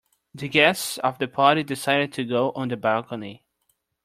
The guests of the party decided to go on the balcony.